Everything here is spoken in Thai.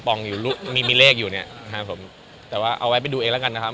ถ้าเกิดไม่ถูกขึ้นมาเดี๋ยวจะมาดารผม